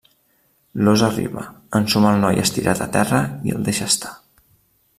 L'ós arriba, ensuma el noi estirat a terra i el deixa estar.